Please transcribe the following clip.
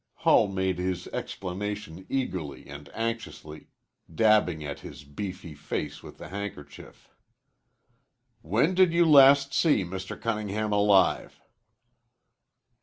Hull made his explanation eagerly and anxiously, dabbing at his beefy face with the handkerchief. "When did you last see Mr. Cunningham alive?"